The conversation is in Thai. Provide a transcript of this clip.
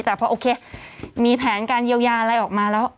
แต่พอโอเคมีแผนการเยียวยาอะไรออกมาแล้ว